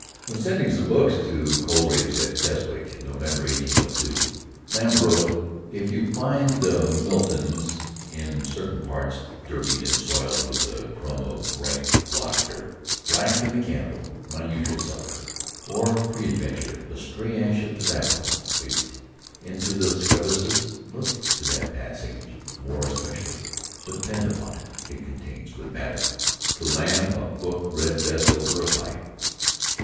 When sending some books to Coleridge at Keswick in November 1802, Lamb wrote "If you find the Miltons in certain parts dirtied and soiled with a crumb of right Gloucester, blacked in the candle (my usual supper), or peradventure, a stray ash of tobacco wafted into the crevices, look to that passage more especially: depend upon it, it contains good matter." To Lamb, a book read best over a pipe.